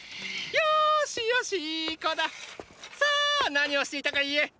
さァ何をしていたか言え！